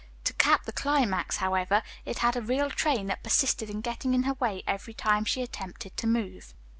To cap the climax, however, it had a real train that persisted in getting in her way every time she attempted to move.